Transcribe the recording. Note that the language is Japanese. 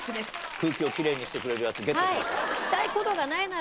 空気をきれいにしてくれるやつゲットしました。